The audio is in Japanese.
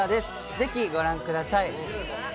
ぜひご覧ください。